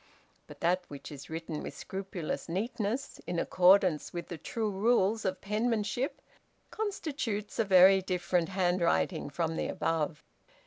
But that which is written with scrupulous neatness, in accordance with the true rules of penmanship, constitutes a very different handwriting from the above.